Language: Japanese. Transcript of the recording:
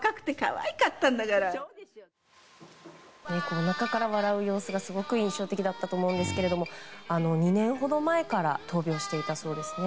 おなかから笑う様子がすごく印象的だったと思うんですが２年ほど前から闘病していたようです。